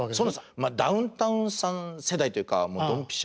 まあダウンタウンさん世代というかもうドンピシャ